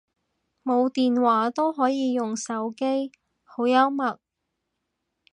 冇電話都可以用手機，好幽默